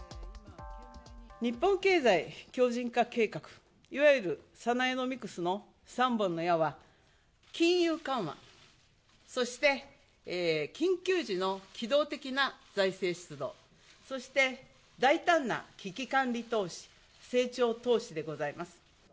日本経済強じん化計画、いわゆるサナエノミクスの３本の矢は、金融緩和、そして緊急時の機動的な財政出動、そして大胆な危機管理投資・成長投資でございます。